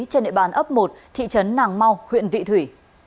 trên địa bàn ấp một thị trấn nàng mau huyện vị thủy